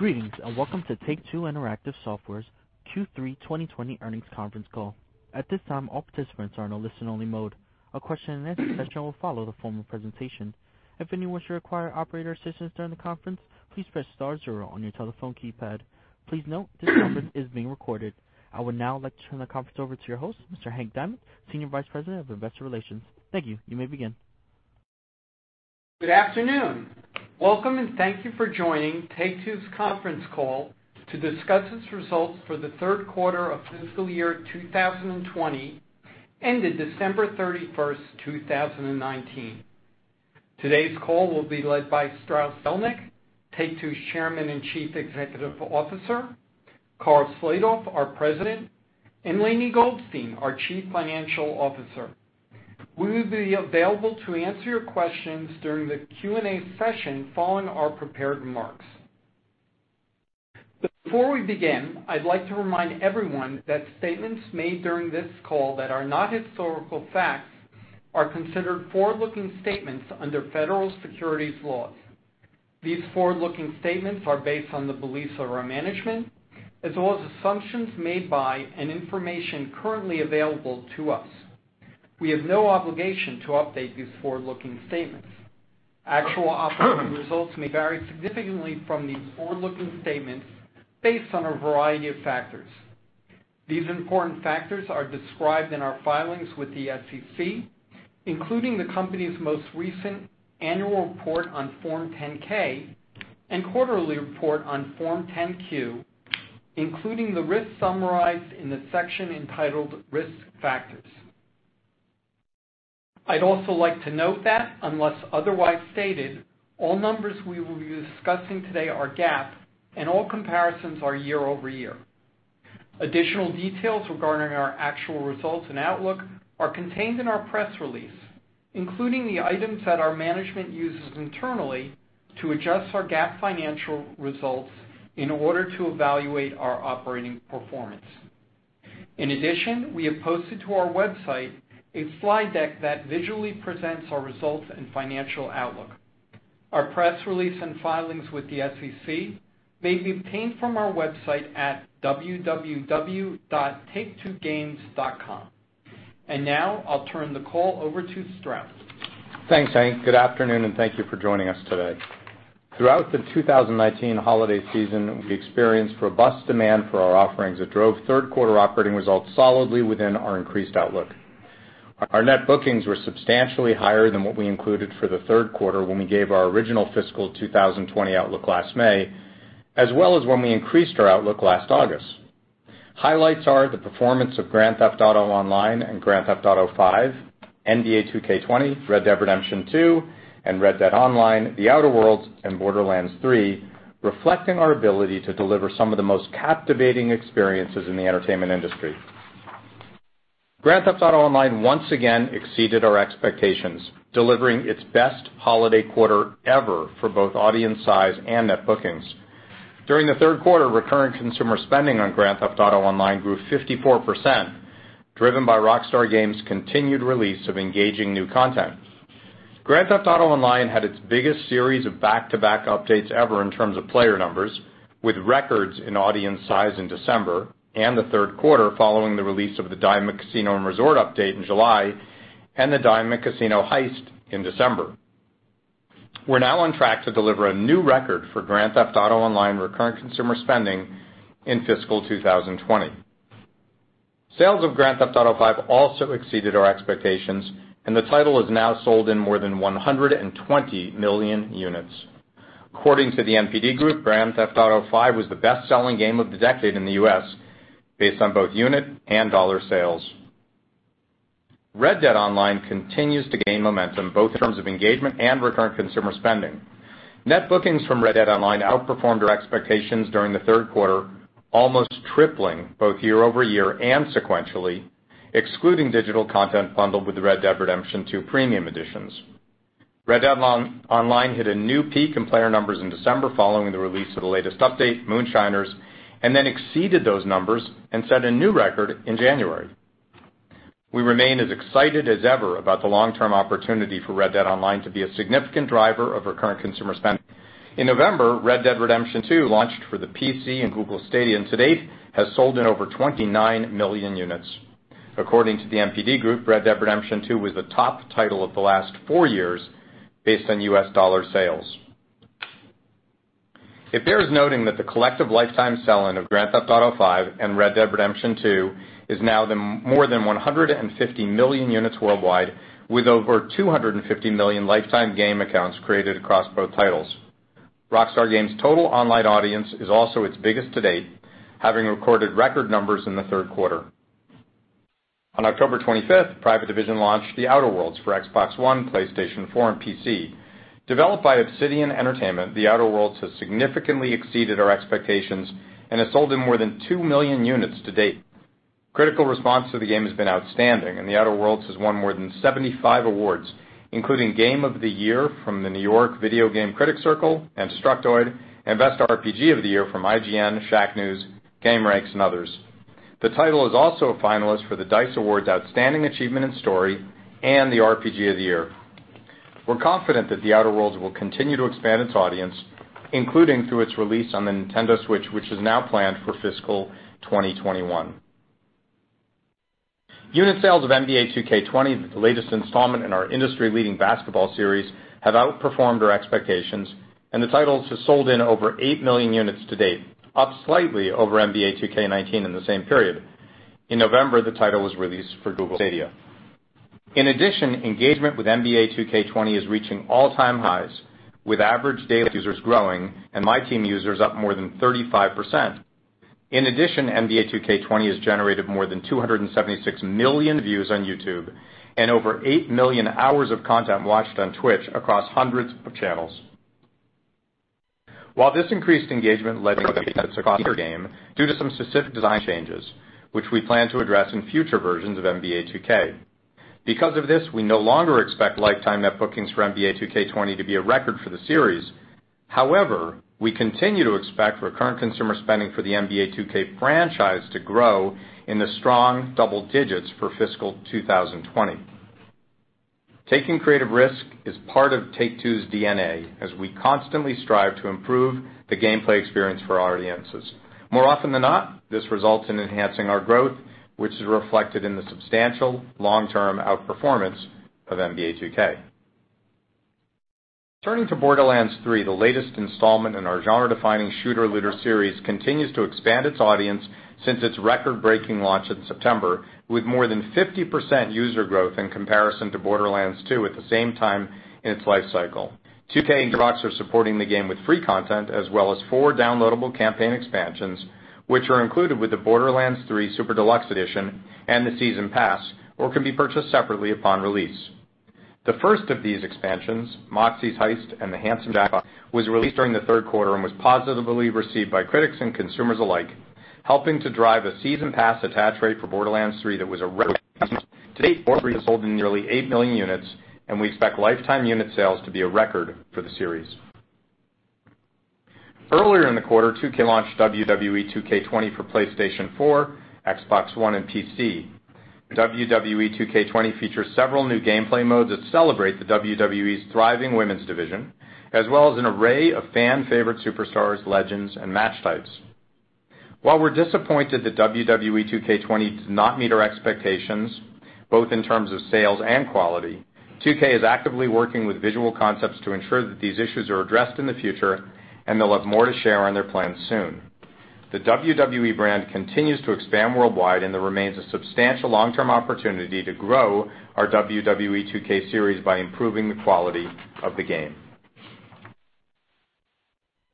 Greetings, and welcome to Take-Two Interactive Software's Q3 2020 earnings conference call. At this time, all participants are in a listen-only mode. A question and answer session will follow the formal presentation. If anyone should require operator assistance during the conference, please press star 0 on your telephone keypad. Please note this conference is being recorded. I would now like to turn the conference over to your host, Mr. Hank Diamond, Senior Vice President of Investor Relations. Thank you. You may begin. Good afternoon. Welcome, and thank you for joining Take-Two's conference call to discuss its results for the third quarter of fiscal year 2020, ended December 31st, 2019. Today's call will be led by Strauss Zelnick, Take-Two's Chairman and Chief Executive Officer, Karl Slatoff, our President, and Lainie Goldstein, our Chief Financial Officer. We will be available to answer your questions during the Q&A session following our prepared remarks. Before we begin, I'd like to remind everyone that statements made during this call that are not historical facts are considered forward-looking statements under federal securities laws. These forward-looking statements are based on the beliefs of our management, as well as assumptions made by, and information currently available to us. We have no obligation to update these forward-looking statements. Actual operating results may vary significantly from these forward-looking statements based on a variety of factors. These important factors are described in our filings with the SEC, including the company's most recent annual report on Form 10-K and quarterly report on Form 10-Q, including the risks summarized in the section entitled Risk Factors. I'd also like to note that unless otherwise stated, all numbers we will be discussing today are GAAP, and all comparisons are year-over-year. Additional details regarding our actual results and outlook are contained in our press release, including the items that our management uses internally to adjust our GAAP financial results in order to evaluate our operating performance. In addition, we have posted to our website a slide deck that visually presents our results and financial outlook. Our press release and filings with the SEC may be obtained from our website at www.taketwogames.com. Now, I'll turn the call over to Strauss. Thanks, Hank. Good afternoon, and thank you for joining us today. Throughout the 2019 holiday season, we experienced robust demand for our offerings that drove third quarter operating results solidly within our increased outlook. Our net bookings were substantially higher than what we included for the third quarter when we gave our original fiscal 2020 outlook last May, as well as when we increased our outlook last August. Highlights are the performance of Grand Theft Auto Online and Grand Theft Auto V, NBA 2K20, Red Dead Redemption 2, and Red Dead Online, The Outer Worlds, and Borderlands 3, reflecting our ability to deliver some of the most captivating experiences in the entertainment industry. Grand Theft Auto Online once again exceeded our expectations, delivering its best holiday quarter ever for both audience size and net bookings. During the third quarter, recurring consumer spending on Grand Theft Auto Online grew 54%, driven by Rockstar Games' continued release of engaging new content. Grand Theft Auto Online had its biggest series of back-to-back updates ever in terms of player numbers, with records in audience size in December and the third quarter following the release of the Diamond Casino & Resort update in July and the Diamond Casino Heist in December. We're now on track to deliver a new record for Grand Theft Auto Online recurring consumer spending in fiscal 2020. Sales of Grand Theft Auto V also exceeded our expectations, and the title has now sold in more than 120 million units. According to the NPD Group, Grand Theft Auto V was the best-selling game of the decade in the U.S., based on both unit and dollar sales. Red Dead Online continues to gain momentum, both in terms of engagement and recurring consumer spending. Net bookings from Red Dead Online outperformed our expectations during the third quarter, almost tripling both year-over-year and sequentially, excluding digital content bundled with Red Dead Redemption 2 premium editions. Red Dead Online hit a new peak in player numbers in December following the release of the latest update, Moonshiners, and then exceeded those numbers and set a new record in January. We remain as excited as ever about the long-term opportunity for Red Dead Online to be a significant driver of recurring consumer spending. In November, Red Dead Redemption 2 launched for the PC and Google Stadia, and to date, has sold in over 29 million units. According to The NPD Group, Red Dead Redemption 2 was the top title of the last four years based on U.S. dollar sales. It bears noting that the collective lifetime sell-in of Grand Theft Auto V and Red Dead Redemption 2 is now more than 150 million units worldwide, with over 250 million lifetime game accounts created across both titles. Rockstar Games' total online audience is also its biggest to date, having recorded record numbers in the third quarter. On October 25th, Private Division launched The Outer Worlds for Xbox One, PlayStation 4, and PC. Developed by Obsidian Entertainment, The Outer Worlds has significantly exceeded our expectations and has sold in more than two million units to date. Critical response to the game has been outstanding, The Outer Worlds has won more than 75 awards, including Game of the Year from the New York Videogame Critics Circle and Destructoid, and Best RPG of the Year from IGN, Shacknews, Gameranx, and others. The title is also a finalist for the D.I.C.E. Awards Outstanding Achievement in Story and the RPG of the Year. We're confident that The Outer Worlds will continue to expand its audience, including through its release on the Nintendo Switch, which is now planned for fiscal 2021. Unit sales of NBA 2K20, the latest installment in our industry-leading basketball series, have outperformed our expectations, and the title has sold in over 8 million units to date, up slightly over NBA 2K19 in the same period. In November, the title was released for Google Stadia. In addition, engagement with NBA 2K20 is reaching all-time highs, with average daily active users growing and my team users up more than 35%. In addition, NBA 2K20 has generated more than 276 million views on YouTube and over 8 million hours of content watched on Twitch across hundreds of channels. While this increased engagement led to game due to some specific design changes, which we plan to address in future versions of NBA 2K. Because of this, we no longer expect lifetime net bookings for NBA 2K20 to be a record for the series. However, we continue to expect recurrent consumer spending for the NBA 2K franchise to grow in the strong double digits for fiscal 2020. Taking creative risk is part of Take-Two's DNA, as we constantly strive to improve the gameplay experience for our audiences. More often than not, this results in enhancing our growth, which is reflected in the substantial long-term outperformance of NBA 2K. Turning to Borderlands 3, the latest installment in our genre-defining shooter-looter series, continues to expand its audience since its record-breaking launch in September, with more than 50% user growth in comparison to Borderlands 2 at the same time in its life cycle. 2K and Gearbox are supporting the game with free content as well as four downloadable campaign expansions, which are included with the Borderlands 3 Super Deluxe Edition and the season pass or can be purchased separately upon release. The first of these expansions, Moxxi's Heist of the Handsome Jackpot, was released during the third quarter and was positively received by critics and consumers alike, helping to drive a season pass attach rate for Borderlands 3 that was a record. To date, Borderlands 3 has sold in nearly eight million units, and we expect lifetime unit sales to be a record for the series. Earlier in the quarter, 2K launched WWE 2K20 for PlayStation 4, Xbox One, and PC. WWE 2K20 features several new gameplay modes that celebrate the WWE's thriving women's division, as well as an array of fan-favorite superstars, legends, and match types. While we're disappointed that WWE 2K20 did not meet our expectations, both in terms of sales and quality, 2K is actively working with Visual Concepts to ensure that these issues are addressed in the future. They'll have more to share on their plans soon. The WWE brand continues to expand worldwide. There remains a substantial long-term opportunity to grow our WWE 2K series by improving the quality of the game.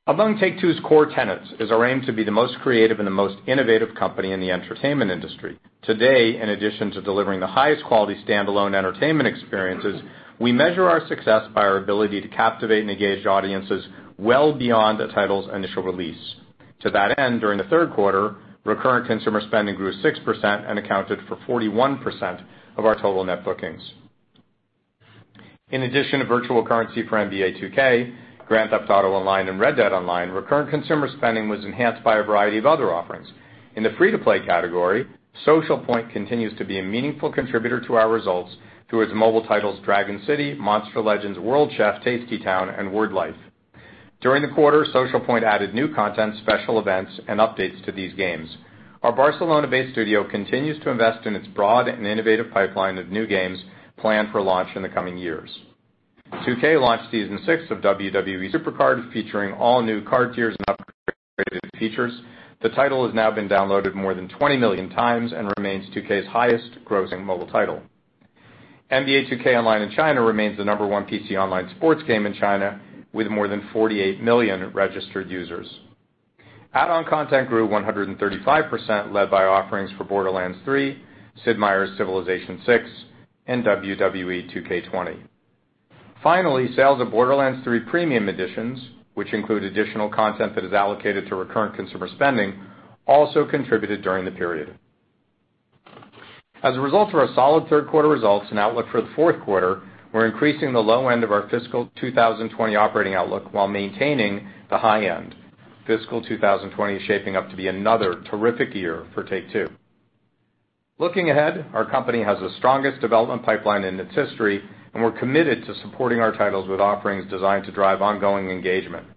Among Take-Two's core tenets is our aim to be the most creative and the most innovative company in the entertainment industry. Today, in addition to delivering the highest quality standalone entertainment experiences, we measure our success by our ability to captivate and engage audiences well beyond a title's initial release. To that end, during the third quarter, recurrent consumer spending grew 6% and accounted for 41% of our total net bookings. In addition to virtual currency for NBA 2K, Grand Theft Auto Online, and Red Dead Online, recurrent consumer spending was enhanced by a variety of other offerings. In the free-to-play category, Socialpoint continues to be a meaningful contributor to our results through its mobile titles Dragon City, Monster Legends, World Chef, Tasty Town, and Word Life. During the quarter, Socialpoint added new content, special events, and updates to these games. Our Barcelona-based studio continues to invest in its broad and innovative pipeline of new games planned for launch in the coming years. 2K launched Season 6 of WWE SuperCard, featuring all-new card tiers and upgraded features. The title has now been downloaded more than 20 million times and remains 2K's highest grossing mobile title. NBA 2K Online in China remains the number 1 PC online sports game in China, with more than 48 million registered users. Add-on content grew 135%, led by offerings for Borderlands 3, Sid Meier's Civilization VI, and WWE 2K20. Finally, sales of Borderlands 3 premium editions, which include additional content that is allocated to recurrent consumer spending, also contributed during the period. As a result of our solid third quarter results and outlook for the fourth quarter, we're increasing the low end of our fiscal 2020 operating outlook while maintaining the high end. Fiscal 2020 is shaping up to be another terrific year for Take-Two. Looking ahead, our company has the strongest development pipeline in its history, and we're committed to supporting our titles with offerings designed to drive ongoing engagement.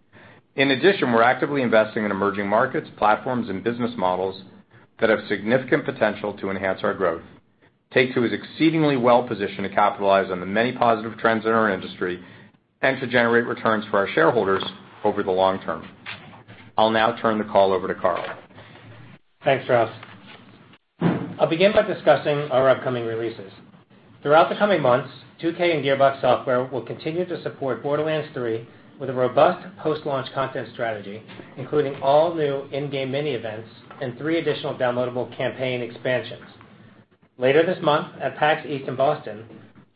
In addition, we're actively investing in emerging markets, platforms, and business models that have significant potential to enhance our growth. Take-Two is exceedingly well-positioned to capitalize on the many positive trends in our industry and to generate returns for our shareholders over the long term. I'll now turn the call over to Karl. Thanks, Strauss. I'll begin by discussing our upcoming releases. Throughout the coming months, 2K and Gearbox Software will continue to support Borderlands 3 with a robust post-launch content strategy, including all new in-game mini events and three additional downloadable campaign expansions. Later this month at PAX East in Boston,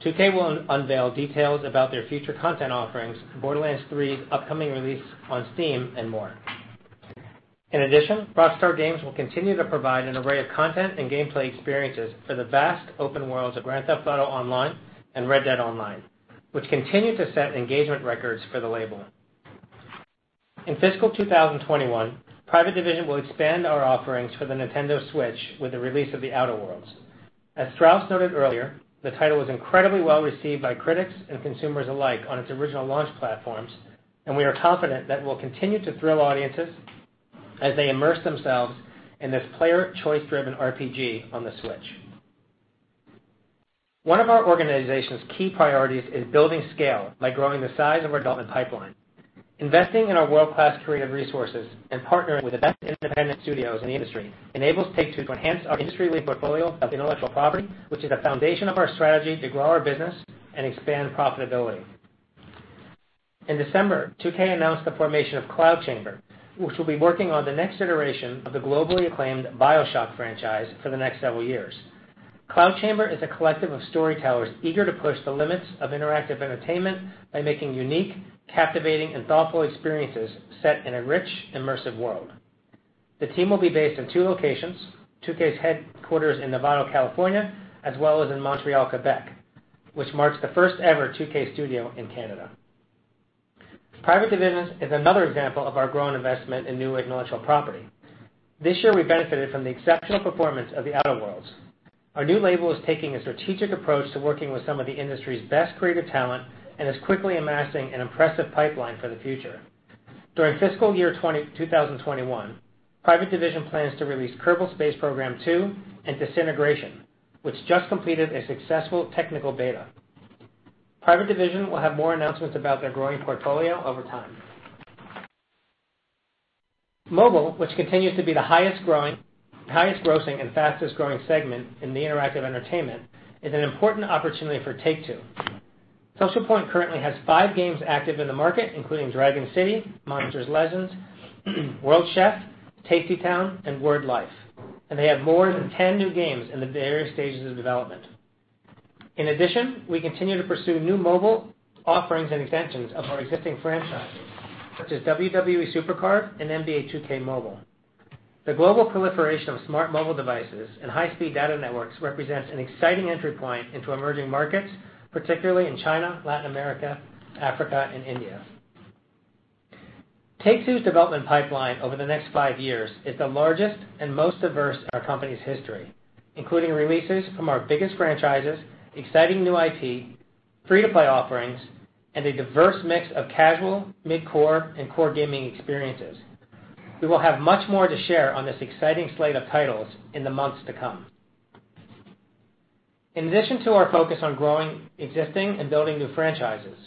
2K will unveil details about their future content offerings for Borderlands 3's upcoming release on Steam and more. In addition, Rockstar Games will continue to provide an array of content and gameplay experiences for the vast open worlds of Grand Theft Auto Online and Red Dead Online, which continue to set engagement records for the label. In fiscal 2021, Private Division will expand our offerings for the Nintendo Switch with the release of The Outer Worlds. As Strauss noted earlier, the title was incredibly well-received by critics and consumers alike on its original launch platforms, and we are confident that we'll continue to thrill audiences as they immerse themselves in this player choice-driven RPG on the Switch. One of our organization's key priorities is building scale by growing the size of our development pipeline. Investing in our world-class creative resources and partnering with the best independent studios in the industry enables Take-Two to enhance our industry-leading portfolio of intellectual property, which is the foundation of our strategy to grow our business and expand profitability. In December, 2K announced the formation of Cloud Chamber, which will be working on the next iteration of the globally acclaimed BioShock franchise for the next several years. Cloud Chamber is a collective of storytellers eager to push the limits of interactive entertainment by making unique, captivating, and thoughtful experiences set in a rich, immersive world. The team will be based in two locations, 2K's headquarters in Novato, California, as well as in Montreal, Quebec, which marks the first ever 2K studio in Canada. Private Division is another example of our growing investment in new intellectual property. This year, we benefited from the exceptional performance of The Outer Worlds. Our new label is taking a strategic approach to working with some of the industry's best creative talent and is quickly amassing an impressive pipeline for the future. During fiscal year 2021, Private Division plans to release Kerbal Space Program 2 and Disintegration, which just completed a successful technical beta. Private Division will have more announcements about their growing portfolio over time. Mobile, which continues to be the highest grossing and fastest-growing segment in the interactive entertainment, is an important opportunity for Take-Two. Social Point currently has five games active in the market, including Dragon City, Monster Legends, World Chef, Tasty Town, and Word Life, and they have more than 10 new games in the various stages of development. In addition, we continue to pursue new mobile offerings and extensions of our existing franchises, such as WWE SuperCard and NBA 2K Mobile. The global proliferation of smart mobile devices and high-speed data networks represents an exciting entry point into emerging markets, particularly in China, Latin America, Africa, and India. Take-Two's development pipeline over the next five years is the largest and most diverse in our company's history, including releases from our biggest franchises, exciting new IP, free-to-play offerings, and a diverse mix of casual, mid-core, and core gaming experiences. We will have much more to share on this exciting slate of titles in the months to come. In addition to our focus on growing existing and building new franchises,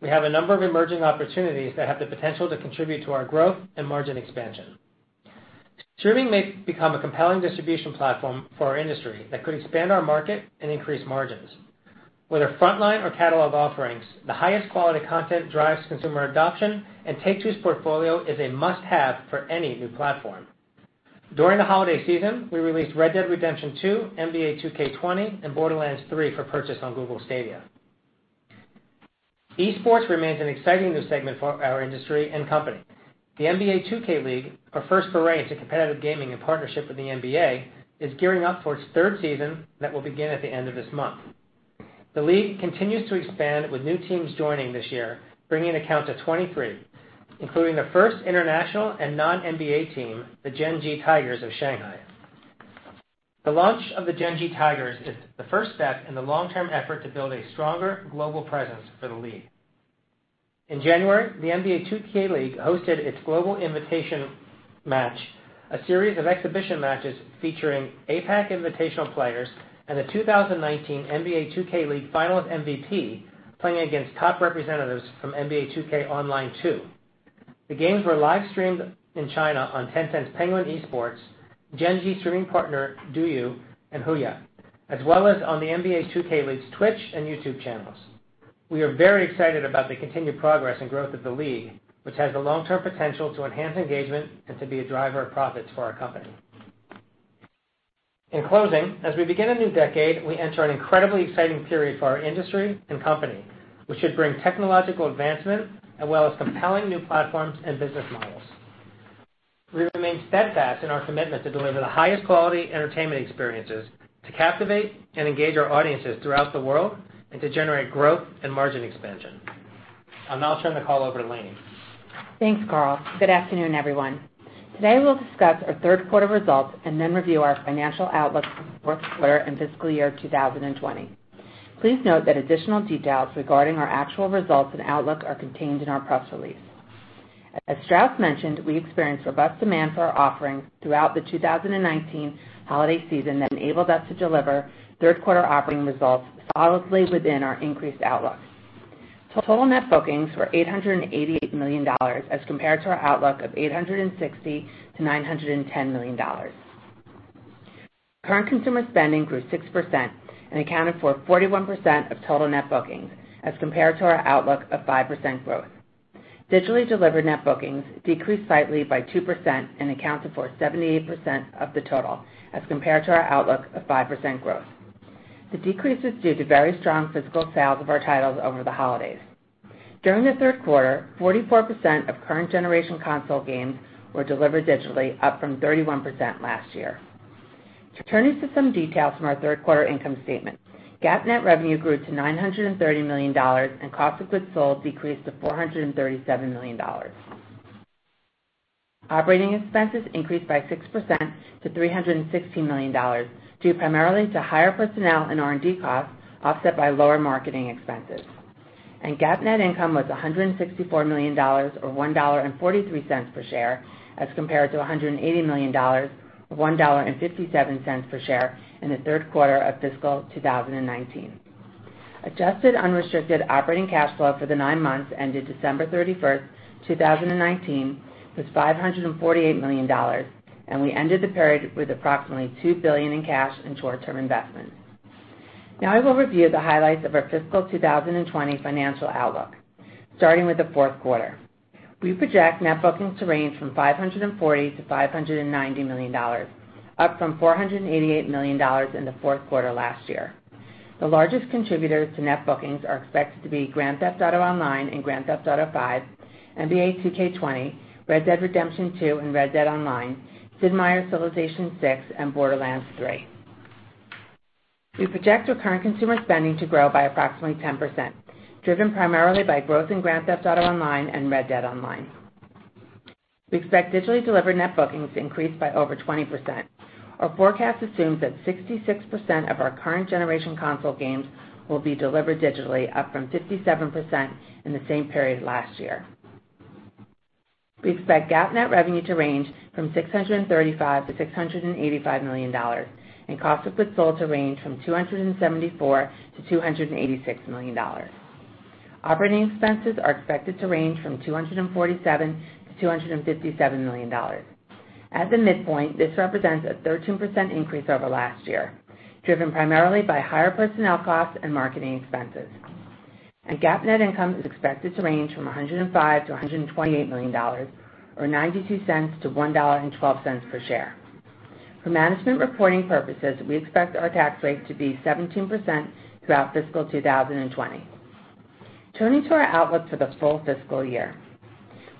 we have a number of emerging opportunities that have the potential to contribute to our growth and margin expansion. Streaming may become a compelling distribution platform for our industry that could expand our market and increase margins. Whether frontline or catalog offerings, the highest quality content drives consumer adoption, and Take-Two's portfolio is a must-have for any new platform. During the holiday season, we released Red Dead Redemption 2, NBA 2K20, and Borderlands 3 for purchase on Google Stadia. Esports remains an exciting new segment for our industry and company. The NBA 2K League, our first foray into competitive gaming and partnership with the NBA, is gearing up for its third season that will begin at the end of this month. The league continues to expand with new teams joining this year, bringing a count to 23, including the first international and non-NBA team, the Gen.G Tigers of Shanghai. The launch of the Gen.G Tigers is the first step in the long-term effort to build a stronger global presence for the league. In January, the NBA 2K League hosted its Global Invitation Match, a series of exhibition matches featuring APAC Invitational players and the 2019 NBA 2K League finalist MVP playing against top representatives from NBA 2K Online 2. The games were live-streamed in China on Tencent's Penguin Esports, Gen.G streaming partner DouYu and HUYA, as well as on the NBA 2K League's Twitch and YouTube channels. We are very excited about the continued progress and growth of the league, which has the long-term potential to enhance engagement and to be a driver of profits for our company. In closing, as we begin a new decade, we enter an incredibly exciting period for our industry and company, which should bring technological advancement as well as compelling new platforms and business models. We remain steadfast in our commitment to deliver the highest quality entertainment experiences to captivate and engage our audiences throughout the world and to generate growth and margin expansion. I'll now turn the call over to Lainie. Thanks, Karl. Good afternoon, everyone. Today, we'll discuss our third quarter results and then review our financial outlook for the fourth quarter and fiscal year 2020. Please note that additional details regarding our actual results and outlook are contained in our press release. As Strauss mentioned, we experienced robust demand for our offerings throughout the 2019 holiday season that enabled us to deliver third quarter operating results solidly within our increased outlook. Total net bookings were $888 million as compared to our outlook of $860 million-$910 million. Current consumer spending grew 6% and accounted for 41% of total net bookings, as compared to our outlook of 5% growth. Digitally delivered net bookings decreased slightly by 2% and accounted for 78% of the total, as compared to our outlook of 5% growth. The decrease is due to very strong physical sales of our titles over the holidays. During the third quarter, 44% of current generation console games were delivered digitally, up from 31% last year. Turning to some details from our third quarter income statement. GAAP net revenue grew to $930 million, and cost of goods sold decreased to $437 million. Operating expenses increased by 6% to $316 million, due primarily to higher personnel and R&D costs, offset by lower marketing expenses. GAAP net income was $164 million, or $1.43 per share, as compared to $180 million, or $1.57 per share in the third quarter of fiscal 2019. Adjusted unrestricted operating cash flow for the nine months ended December 31st, 2019, was $548 million, and we ended the period with approximately two billion in cash and short-term investments. Now I will review the highlights of our fiscal 2020 financial outlook, starting with the fourth quarter. We project net bookings to range from $540 million-$590 million, up from $488 million in the fourth quarter last year. The largest contributors to net bookings are expected to be Grand Theft Auto Online and Grand Theft Auto V, NBA 2K20, Red Dead Redemption 2 and Red Dead Online, Sid Meier's Civilization VI, and Borderlands 3. We project recurring consumer spending to grow by approximately 10%, driven primarily by growth in Grand Theft Auto Online and Red Dead Online. We expect digitally delivered net bookings to increase by over 20%. Our forecast assumes that 66% of our current generation console games will be delivered digitally, up from 57% in the same period last year. We expect GAAP net revenue to range from $635 million-$685 million, and cost of goods sold to range from $274 million-$286 million. Operating expenses are expected to range from $247 million-$257 million. At the midpoint, this represents a 13% increase over last year, driven primarily by higher personnel costs and marketing expenses. GAAP net income is expected to range from $105 million-$128 million, or $0.92-$1.12 per share. For management reporting purposes, we expect our tax rate to be 17% throughout fiscal 2020. Turning to our outlook for the full fiscal year.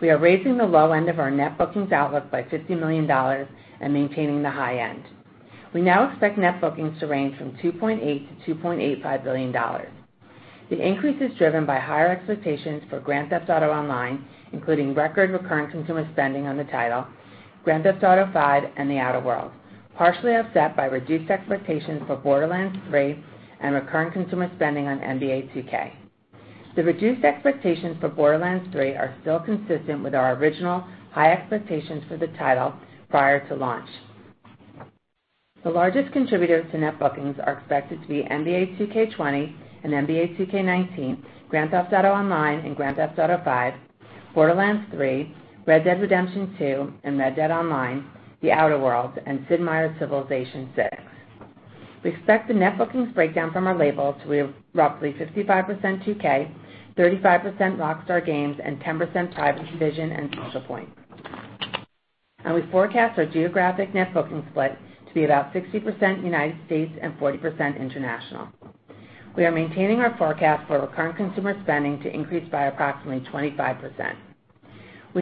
We are raising the low end of our net bookings outlook by $50 million and maintaining the high end. We now expect net bookings to range from $2.8 billion-$2.85 billion. The increase is driven by higher expectations for Grand Theft Auto Online, including record recurring consumer spending on the title, Grand Theft Auto V and The Outer Worlds, partially offset by reduced expectations for Borderlands 3 and recurring consumer spending on NBA 2K. The reduced expectations for Borderlands 3 are still consistent with our original high expectations for the title prior to launch. The largest contributors to net bookings are expected to be NBA 2K20 and NBA 2K19, Grand Theft Auto Online and Grand Theft Auto V, Borderlands 3, Red Dead Redemption 2 and Red Dead Online, The Outer Worlds, and Sid Meier's Civilization VI. We expect the net bookings breakdown from our labels to be roughly 55% 2K, 35% Rockstar Games, and 10% Private Division and Socialpoint. We forecast our geographic net booking split to be about 60% United States and 40% international. We are maintaining our forecast for recurring consumer spending to increase by approximately 25%.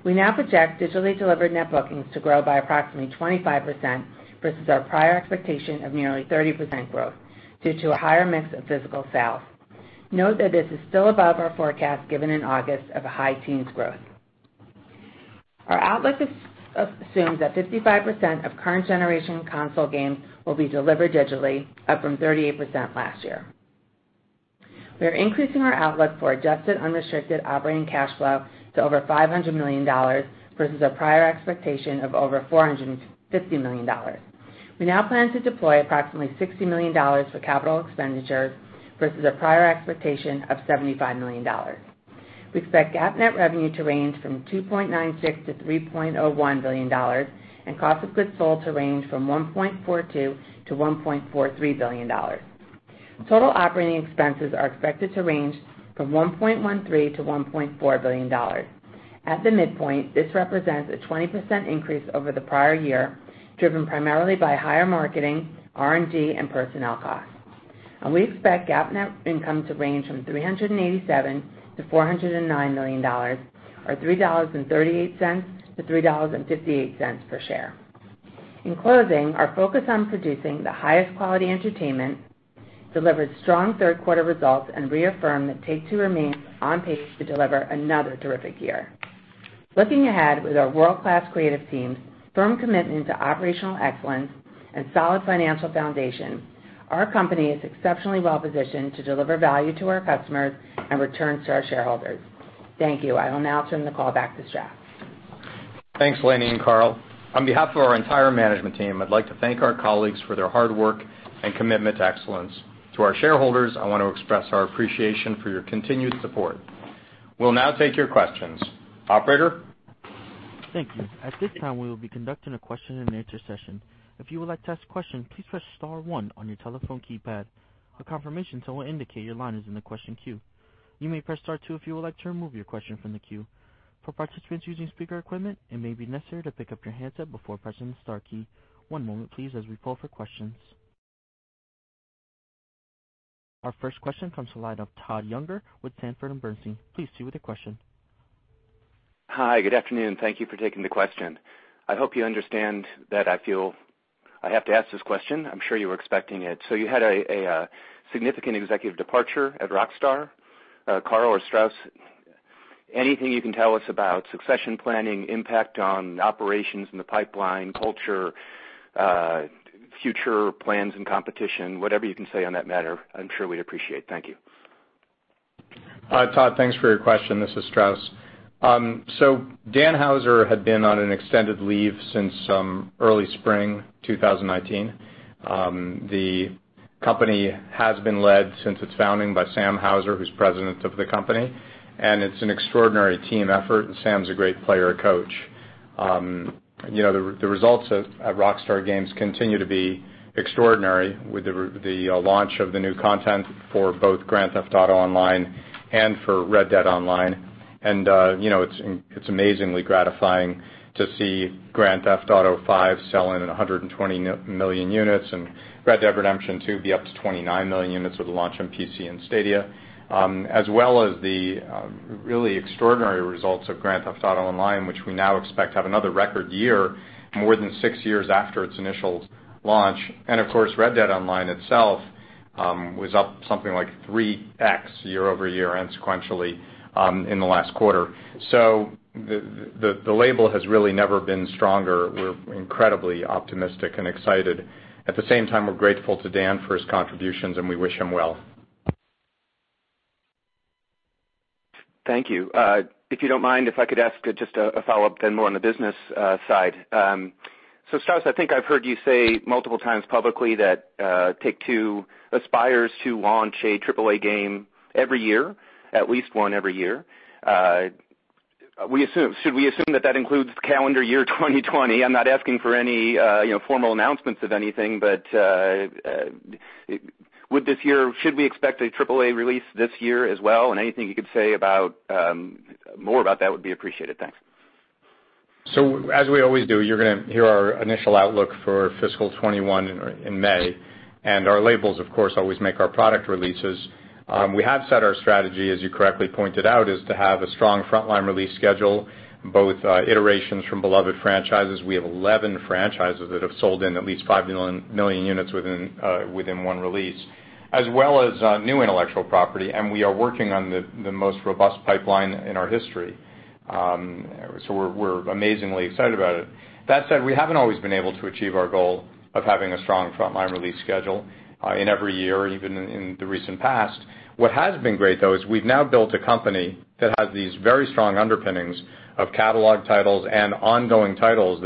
We now project digitally delivered net bookings to grow by approximately 25%, versus our prior expectation of nearly 30% growth, due to a higher mix of physical sales. Note that this is still above our forecast given in August of a high teens growth. Our outlook assumes that 55% of current generation console games will be delivered digitally, up from 38% last year. We are increasing our outlook for adjusted unrestricted operating cash flow to over $500 million, versus a prior expectation of over $450 million. We now plan to deploy approximately $60 million for capital expenditures versus a prior expectation of $75 million. We expect GAAP net revenue to range from $2.96 billion-$3.01 billion, and cost of goods sold to range from $1.42 billion-$1.43 billion. Total operating expenses are expected to range from $1.13 billion-$1.4 billion. At the midpoint, this represents a 20% increase over the prior year, driven primarily by higher marketing, R&D, and personnel costs. We expect GAAP net income to range from $387 million-$409 million, or $3.38-$3.58 per share. In closing, our focus on producing the highest quality entertainment delivered strong third quarter results and reaffirm that Take-Two remains on pace to deliver another terrific year. Looking ahead, with our world-class creative teams, firm commitment to operational excellence, and solid financial foundation, our company is exceptionally well positioned to deliver value to our customers and returns to our shareholders. Thank you. I will now turn the call back to Strauss. Thanks, Lainie and Karl. On behalf of our entire management team, I'd like to thank our colleagues for their hard work and commitment to excellence. To our shareholders, I want to express our appreciation for your continued support. We'll now take your questions. Operator? Thank you. At this time, we will be conducting a question-and-answer session. If you would like to ask a question, please press star one on your telephone keypad. A confirmation tone will indicate your line is in the question queue. You may press star two if you would like to remove your question from the queue. For participants using speaker equipment, it may be necessary to pick up your handset before pressing the star key. One moment please, as we call for questions. Our first question comes to the line of Todd Juenger with Sanford Bernstein. Please proceed with your question. Hi, good afternoon. Thank you for taking the question. I hope you understand that I feel I have to ask this question. I'm sure you were expecting it. You had a significant executive departure at Rockstar, Karl or Strauss. Anything you can tell us about succession planning, impact on operations in the pipeline, culture, future plans and competition, whatever you can say on that matter, I'm sure we'd appreciate. Thank you. Hi, Todd. Thanks for your question. This is Strauss. Dan Houser had been on an extended leave since early spring 2019. The company has been led since its founding by Sam Houser, who's president of the company, and it's an extraordinary team effort, and Sam's a great player and coach. The results at Rockstar Games continue to be extraordinary with the launch of the new content for both Grand Theft Auto Online and for Red Dead Online. It's amazingly gratifying to see Grand Theft Auto V selling at 120 million units and Red Dead Redemption 2 be up to 29 million units with a launch on PC and Stadia, as well as the really extraordinary results of Grand Theft Auto Online, which we now expect to have another record year more than six years after its initial launch. Red Dead Online itself was up something like 3x year-over-year and sequentially in the last quarter. The label has really never been stronger. We're incredibly optimistic and excited. At the same time, we're grateful to Dan for his contributions, and we wish him well. Thank you. If you don't mind, if I could ask just a follow-up then more on the business side. Strauss, I think I've heard you say multiple times publicly that Take-Two aspires to launch a AAA game every year, at least one every year. Should we assume that that includes calendar year 2020? I'm not asking for any formal announcements of anything, but should we expect a AAA release this year as well, and anything you could say more about that would be appreciated. Thanks. As we always do, you're going to hear our initial outlook for fiscal 2021 in May. Our labels, of course, always make our product releases. We have set our strategy, as you correctly pointed out, is to have a strong frontline release schedule, both iterations from beloved franchises. We have 11 franchises that have sold in at least 5 million units within one release, as well as new intellectual property, we are working on the most robust pipeline in our history. We're amazingly excited about it. That said, we haven't always been able to achieve our goal of having a strong frontline release schedule in every year, even in the recent past. What has been great, though, is we've now built a company that has these very strong underpinnings of catalog titles and ongoing titles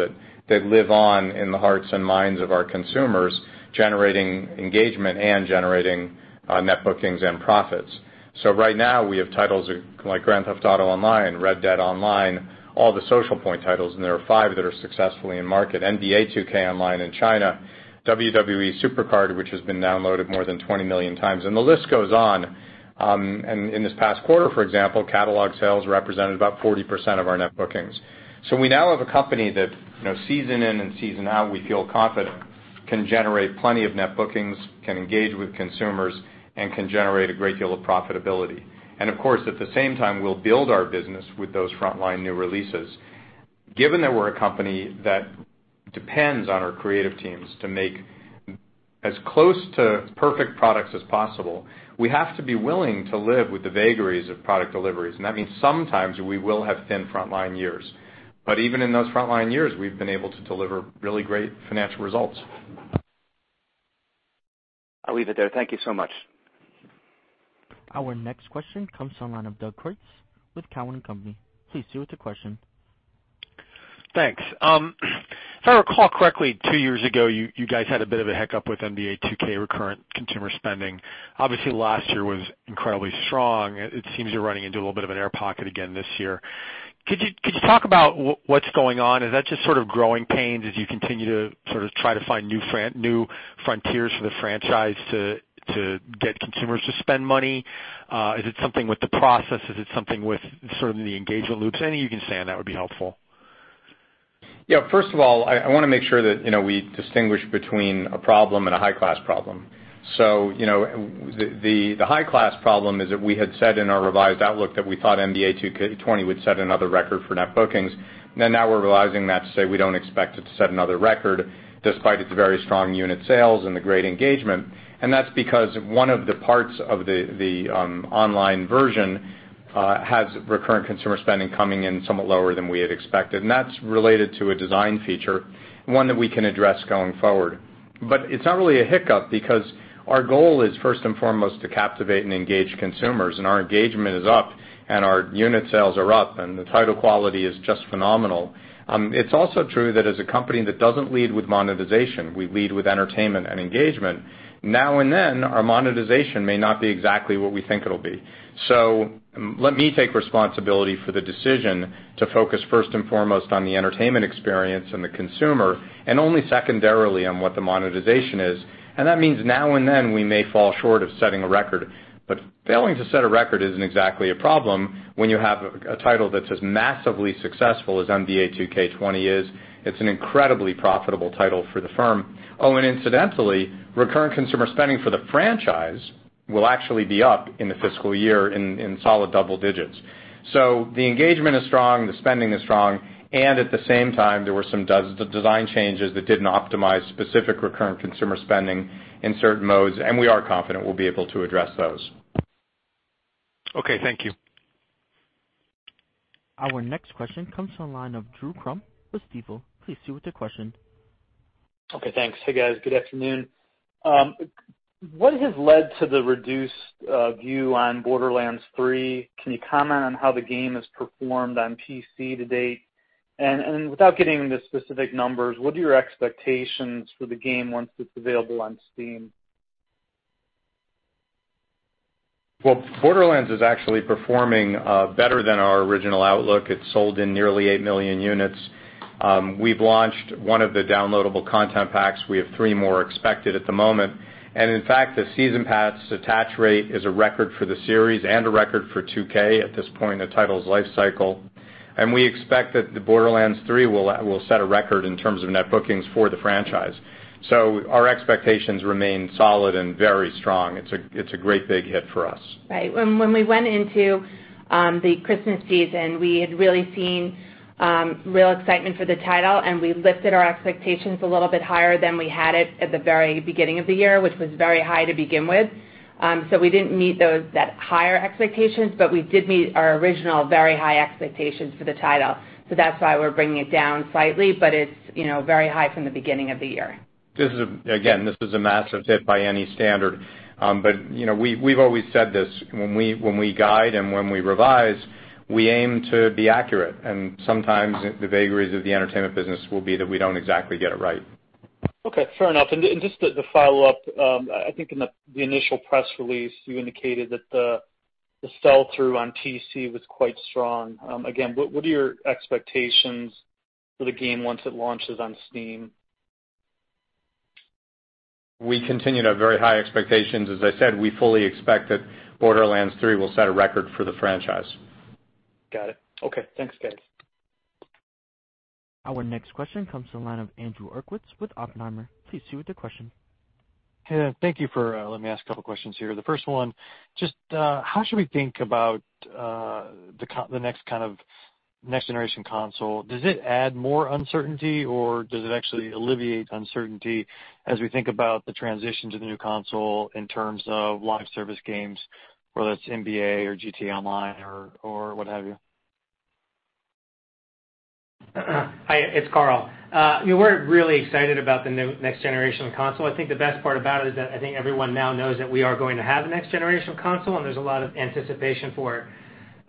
that live on in the hearts and minds of our consumers, generating engagement and generating net bookings and profits. Right now, we have titles like Grand Theft Auto Online, Red Dead Online, all the Socialpoint titles, and there are five that are successfully in market. NBA 2K Online in China, WWE SuperCard, which has been downloaded more than 20 million times, and the list goes on. In this past quarter, for example, catalog sales represented about 40% of our net bookings. We now have a company that season in and season out, we feel confident can generate plenty of net bookings, can engage with consumers, and can generate a great deal of profitability. Of course, at the same time, we'll build our business with those frontline new releases. Given that we're a company that depends on our creative teams to make as close to perfect products as possible, we have to be willing to live with the vagaries of product deliveries, and that means sometimes we will have thin frontline years. Even in those frontline years, we've been able to deliver really great financial results. I'll leave it there. Thank you so much. Our next question comes to the line of Doug Creutz with Cowen and Company. Please proceed with your question. Thanks. If I recall correctly, two years ago, you guys had a bit of a hiccup with NBA 2K recurrent consumer spending. Obviously, last year was incredibly strong. It seems you're running into a little bit of an air pocket again this year. Could you talk about what's going on? Is that just sort of growing pains as you continue to sort of try to find new frontiers for the franchise to get consumers to spend money? Is it something with the process? Is it something with sort of the engagement loops? Anything you can say on that would be helpful. Yeah. First of all, I want to make sure that we distinguish between a problem and a high-class problem. The high-class problem is that we had said in our revised outlook that we thought NBA 2K20 would set another record for net bookings. Now we're realizing that we don't expect it to set another record despite its very strong unit sales and the great engagement. That's because one of the parts of the online version has recurrent consumer spending coming in somewhat lower than we had expected. That's related to a design feature, one that we can address going forward. It's not really a hiccup because our goal is first and foremost to captivate and engage consumers, and our engagement is up, and our unit sales are up, and the title quality is just phenomenal. It's also true that as a company that doesn't lead with monetization, we lead with entertainment and engagement. Our monetization may not be exactly what we think it'll be. Let me take responsibility for the decision to focus first and foremost on the entertainment experience and the consumer, and only secondarily on what the monetization is. That means now and then we may fall short of setting a record. Failing to set a record isn't exactly a problem when you have a title that's as massively successful as NBA 2K20 is. It's an incredibly profitable title for the firm. Incidentally, recurrent consumer spending for the franchise will actually be up in the fiscal year in solid double digits. The engagement is strong, the spending is strong, and at the same time, there were some design changes that didn't optimize specific recurrent consumer spending in certain modes, and we are confident we'll be able to address those. Okay. Thank you. Our next question comes from the line of Drew Crum with Stifel. Please proceed with your question. Okay, thanks. Hey, guys. Good afternoon. What has led to the reduced view on Borderlands 3? Can you comment on how the game has performed on PC to date? Without getting into specific numbers, what are your expectations for the game once it's available on Steam? Well, Borderlands is actually performing better than our original outlook. It's sold in nearly 8 million units. We've launched one of the downloadable content packs. We have three more expected at the moment. In fact, the season pass attach rate is a record for the series and a record for 2K at this point in the title's life cycle. We expect that Borderlands 3 will set a record in terms of net bookings for the franchise. Our expectations remain solid and very strong. It's a great big hit for us. Right. When we went into the Christmas season, we had really seen real excitement for the title, and we lifted our expectations a little bit higher than we had it at the very beginning of the year, which was very high to begin with. We didn't meet that higher expectations, but we did meet our original very high expectations for the title. That's why we're bringing it down slightly, but it's very high from the beginning of the year. This is a massive hit by any standard. We've always said this. When we guide and when we revise, we aim to be accurate, and sometimes the vagaries of the entertainment business will be that we don't exactly get it right. Okay, fair enough. Just to follow up, I think in the initial press release, you indicated that the sell-through on PC was quite strong. Again, what are your expectations for the game once it launches on Steam? We continue to have very high expectations. As I said, we fully expect that Borderlands 3 will set a record for the franchise. Got it. Okay, thanks, guys. Our next question comes from the line of Andrew Uerkwitz with Oppenheimer. Please proceed with your question. Hey, thank you for letting me ask a couple questions here. The first one, just how should we think about the next generation console? Does it add more uncertainty, or does it actually alleviate uncertainty as we think about the transition to the new console in terms of live service games, whether that's NBA or GTA Online or what have you? Hi, it's Karl. We're really excited about the new next generation console. I think the best part about it is that I think everyone now knows that we are going to have a next generation console, and there's a lot of anticipation for it.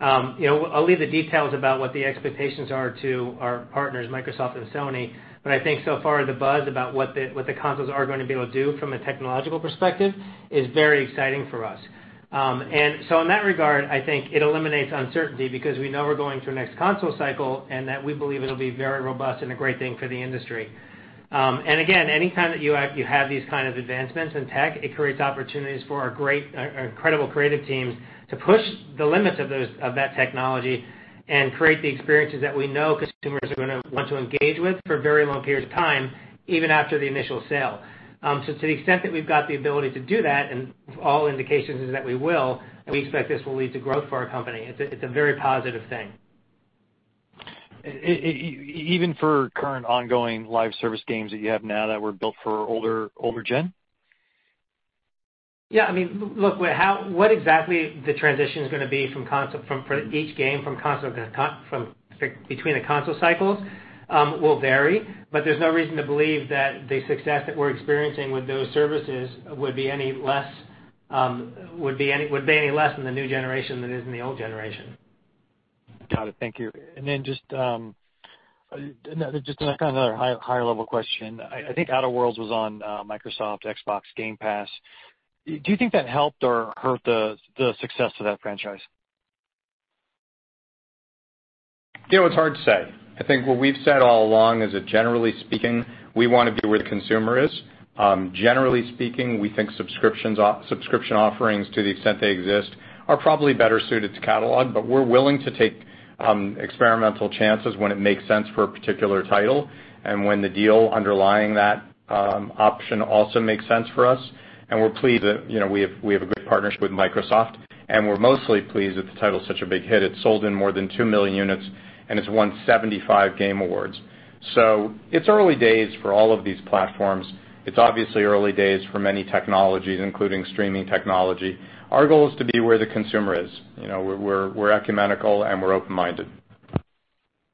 I'll leave the details about what the expectations are to our partners, Microsoft and Sony, but I think so far the buzz about what the consoles are going to be able to do from a technological perspective is very exciting for us. In that regard, I think it eliminates uncertainty because we know we're going through a next console cycle and that we believe it'll be very robust and a great thing for the industry. Again, anytime that you have these kind of advancements in tech, it creates opportunities for our incredible creative teams to push the limits of that technology and create the experiences that we know consumers are going to want to engage with for very long periods of time, even after the initial sale. To the extent that we've got the ability to do that, and all indications is that we will, and we expect this will lead to growth for our company. It's a very positive thing. Even for current ongoing live service games that you have now that were built for older gen? Yeah. Look, what exactly the transition is going to be for each game between the console cycles will vary, but there's no reason to believe that the success that we're experiencing with those services would be any less in the new generation than it is in the old generation. Got it. Thank you. Then just another kind of higher level question. I think The Outer Worlds was on Microsoft Xbox Game Pass. Do you think that helped or hurt the success of that franchise? It's hard to say. I think what we've said all along is that generally speaking, we want to be where the consumer is. Generally speaking, we think subscription offerings, to the extent they exist, are probably better suited to catalog, but we're willing to take experimental chances when it makes sense for a particular title and when the deal underlying that option also makes sense for us, and we're pleased that we have a good partnership with Microsoft, and we're mostly pleased that the title's such a big hit. It's sold in more than 2 million units, and it's won 75 game awards. It's early days for all of these platforms. It's obviously early days for many technologies, including streaming technology. Our goal is to be where the consumer is. We're ecumenical, and we're open-minded.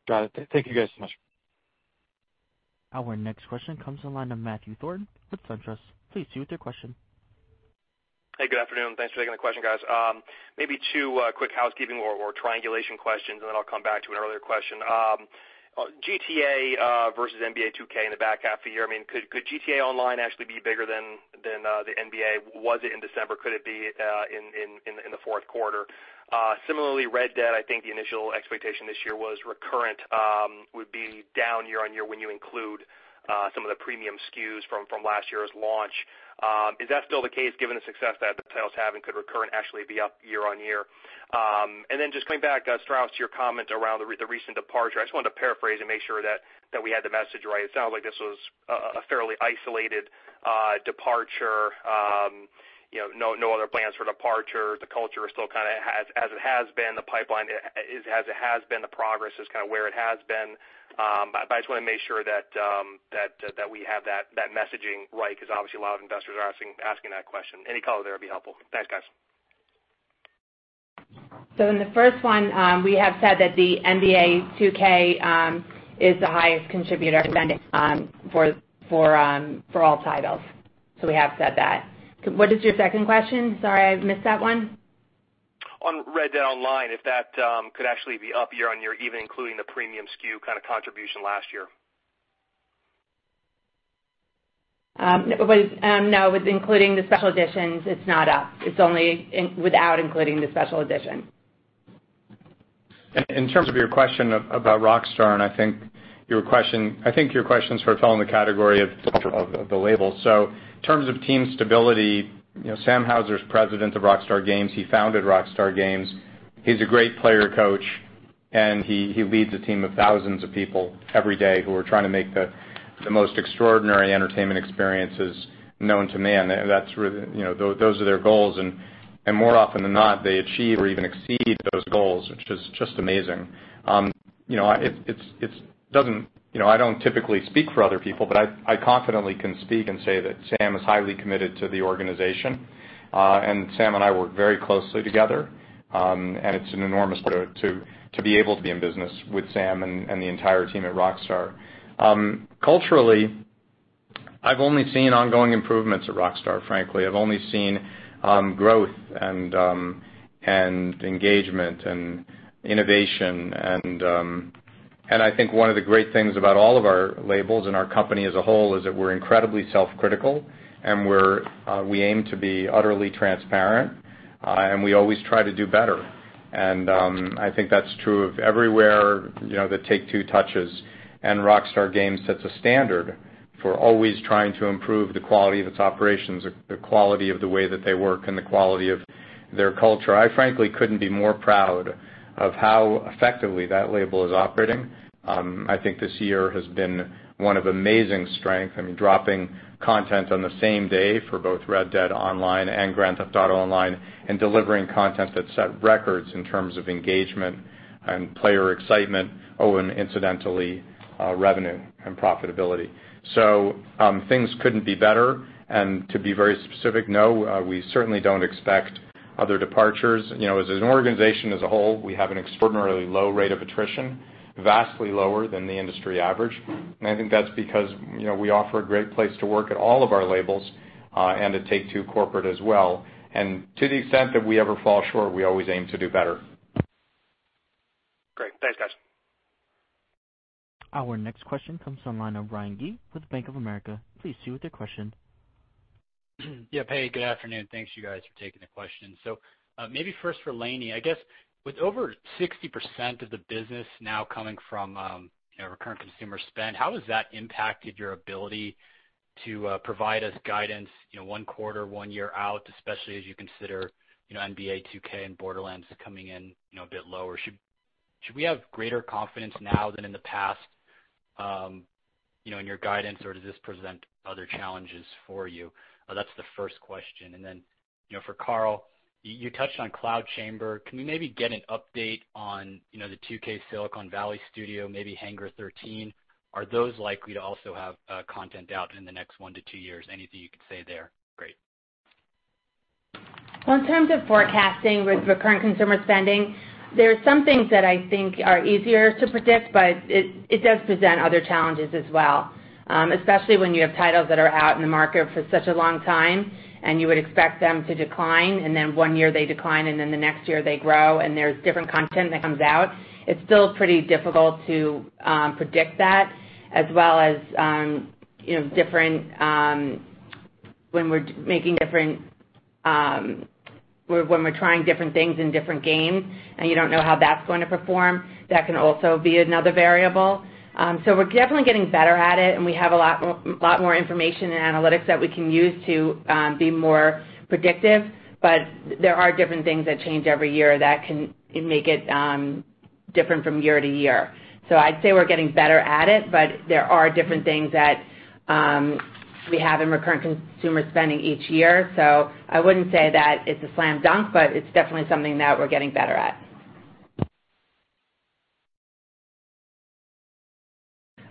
Got it. Thank you guys so much. Our next question comes from the line of Matthew Thornton with SunTrust. Please proceed with your question. Hey, good afternoon. Thanks for taking the question, guys. Maybe two quick housekeeping or triangulation questions, and then I'll come back to an earlier question. GTA versus NBA 2K in the back half of the year. Could GTA Online actually be bigger than the NBA? Was it in December? Could it be in the fourth quarter? Similarly, Red Dead, I think the initial expectation this year was recurrent would be down year-on-year when you include some of the premium SKUs from last year's launch. Is that still the case given the success that the title's having? Could recurrent actually be up year-on-year? Just coming back, Strauss, to your comment around the recent departure. I just wanted to paraphrase and make sure that we had the message right. It sounds like this was a fairly isolated departure. No other plans for departure. The culture is still kind of as it has been. The pipeline is as it has been. The progress is kind of where it has been. I just want to make sure that we have that messaging right because obviously a lot of investors are asking that question. Any color there would be helpful. Thanks, guys. In the first one, we have said that the NBA 2K is the highest contributor spending for all titles. We have said that. What is your second question? Sorry, I missed that one. On Red Dead Online, if that could actually be up year-on-year, even including the premium SKU kind of contribution last year. No. With including the special editions, it's not up. It's only without including the special edition. In terms of your question about Rockstar, I think your questions sort of fell in the category of the label. In terms of team stability, Sam Houser's President of Rockstar Games. He founded Rockstar Games. He's a great player coach, he leads a team of thousands of people every day who are trying to make the most extraordinary entertainment experiences known to man. Those are their goals, more often than not, they achieve or even exceed those goals, which is just amazing. I don't typically speak for other people, I confidently can speak and say that Sam is highly committed to the organization. Sam and I work very closely together, it's an enormous thrill to be able to be in business with Sam and the entire team at Rockstar. Culturally, I've only seen ongoing improvements at Rockstar, frankly. I've only seen growth and engagement and innovation. I think one of the great things about all of our labels and our company as a whole is that we're incredibly self-critical, and we aim to be utterly transparent, and we always try to do better. I think that's true of everywhere that Take-Two touches. Rockstar Games sets a standard for always trying to improve the quality of its operations, the quality of the way that they work, and the quality of their culture. I frankly couldn't be more proud of how effectively that label is operating. I think this year has been one of amazing strength. I mean, dropping content on the same day for both Red Dead Online and Grand Theft Auto Online and delivering content that set records in terms of engagement and player excitement, oh, and incidentally, revenue and profitability. Things couldn't be better. To be very specific, no, we certainly don't expect other departures. As an organization as a whole, we have an extraordinarily low rate of attrition, vastly lower than the industry average. I think that's because we offer a great place to work at all of our labels, and at Take-Two corporate as well. To the extent that we ever fall short, we always aim to do better. Great. Thanks, guys. Our next question comes from the line of Ryan D with Bank of America. Please proceed with your question. Hey, good afternoon. Thanks, you guys, for taking the question. Maybe first for Lainie. I guess with over 60% of the business now coming from recurrent consumer spend, how has that impacted your ability to provide us guidance one quarter, one year out, especially as you consider NBA 2K and Borderlands coming in a bit lower? Should we have greater confidence now than in the past in your guidance, or does this present other challenges for you? That's the first question. Then for Karl, you touched on Cloud Chamber. Can we maybe get an update on the 2K Silicon Valley studio, maybe Hangar 13? Are those likely to also have content out in the next one to two years? Anything you could say there? Great. Well, in terms of forecasting with recurrent consumer spending, there are some things that I think are easier to predict, but it does present other challenges as well, especially when you have titles that are out in the market for such a long time and you would expect them to decline, and then one year they decline, and then the next year they grow and there's different content that comes out. It's still pretty difficult to predict that as well as when we're trying different things in different games and you don't know how that's going to perform. That can also be another variable. We're definitely getting better at it, and we have a lot more information and analytics that we can use to be more predictive, but there are different things that change every year that can make it different from year-to-year. I'd say we're getting better at it, but there are different things that we have in recurrent consumer spending each year. I wouldn't say that it's a slam dunk, but it's definitely something that we're getting better at.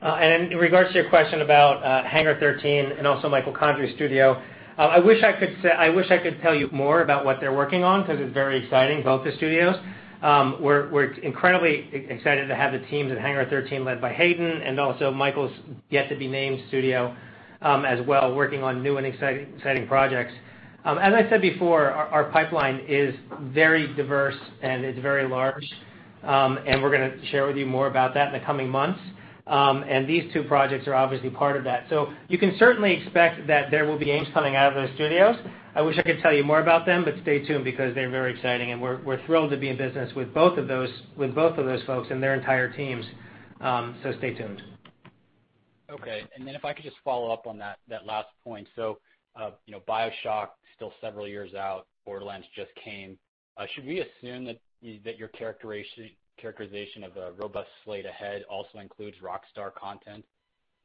In regards to your question about Hangar 13 and also Michael Condrey's studio, I wish I could tell you more about what they're working on because it's very exciting, both the studios. We're incredibly excited to have the teams at Hangar 13 led by Haden and also Michael's yet-to-be-named studio as well, working on new and exciting projects. As I said before, our pipeline is very diverse and it's very large, and we're going to share with you more about that in the coming months. These two projects are obviously part of that. You can certainly expect that there will be games coming out of those studios. I wish I could tell you more about them, but stay tuned because they're very exciting, and we're thrilled to be in business with both of those folks and their entire teams, so stay tuned. Okay. If I could just follow up on that last point. BioShock still several years out, Borderlands just came. Should we assume that your characterization of a robust slate ahead also includes Rockstar content,